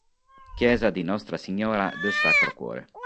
Chiesa di Nostra Signora del Sacro Cuore